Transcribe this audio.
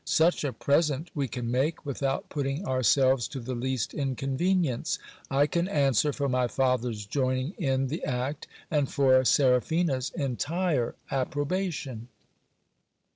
Such a present we can make, without putting our selves to the least inconvenience. I can answer for my father's joining in the act, and for Seraphina's entire approbation.